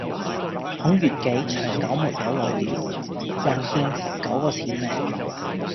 孔乙己長久沒有來了。還欠十九個錢呢